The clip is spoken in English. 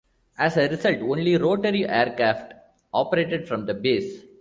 As a result, only rotary aircraft operated from the base.